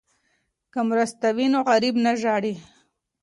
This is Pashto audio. که مرسته وي نو غریب نه ژاړي.